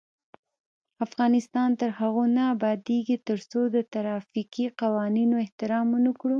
افغانستان تر هغو نه ابادیږي، ترڅو د ترافیکي قوانینو احترام ونکړو.